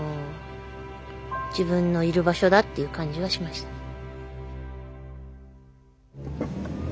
自分のいる場所だっていう感じはしました。